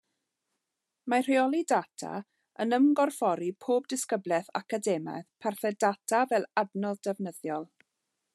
Mae rheoli data yn ymgorffori pob disgyblaeth academaidd parthed data fel adnodd defnyddiol.